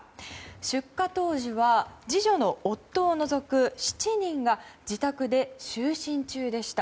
出火当時は次女の夫を除く７人が自宅で就寝中でした。